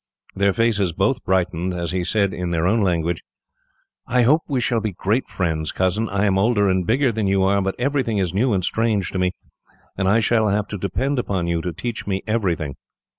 Their faces both brightened, as he said in their own language: "I hope we shall be great friends, cousins. I am older and bigger than you are, but everything is new and strange to me, and I shall have to depend upon you to teach me everything."